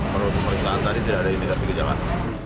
menurut pemeriksaan tadi tidak ada indikasi gejala